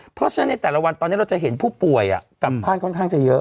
เพราะฉะนั้นในแต่ละวันตอนนี้เราจะเห็นผู้ป่วยกลับบ้านค่อนข้างจะเยอะ